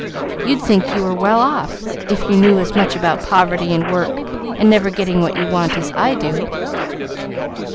You'd think you were well off if you knew as much about poverty and work and never getting what you want, as I do."